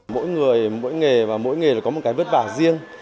mỗi người mỗi nghề và mỗi nghề có một cái vất vả riêng